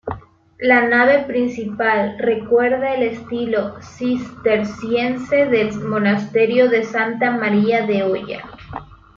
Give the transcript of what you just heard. La nave principal recuerda el estilo cisterciense del monasterio de Santa María de Oya.